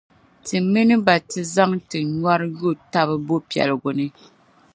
ti mini ba ti zaŋ ti nyɔri yo taba bɔpiɛligu ni.